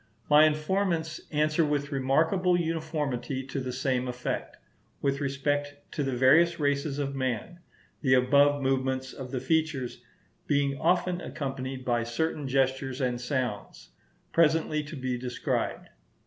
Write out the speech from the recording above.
My informants answer with remarkable uniformity to the same effect, with respect to the various races of man; the above movements of the features being often accompanied by certain gestures and sounds, presently to be described.